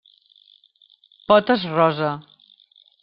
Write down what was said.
Potes rosa.